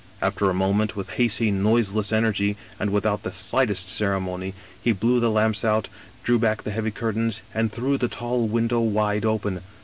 "After a moment, with hasty, noiseless energy, and with out the slightest ceremony, he blew the lamps out, drew back the heavy curtains and threw the tall window wide open.